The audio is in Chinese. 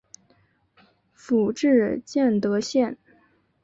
府治建德县。